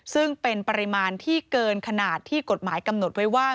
ซึ่งเป็นปริมาณที่เกินขนาดที่กฎหมายกำหนดไว้ว่า